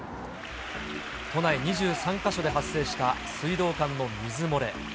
都内２３か所で発生した水道管の水漏れ。